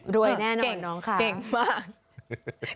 แน่นอนน้องค่ะเก่งมาก